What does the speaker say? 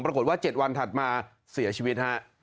ปรากฏว่า๗วันถัดมาเสียชีวิตฮะ